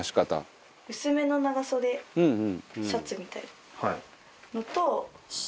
薄めの長袖シャツみたいなのと。